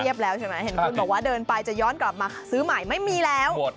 แล้วใช่ไหมเห็นคุณบอกว่าเดินไปจะย้อนกลับมาซื้อใหม่ไม่มีแล้ว